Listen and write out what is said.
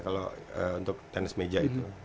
kalau untuk tenis meja itu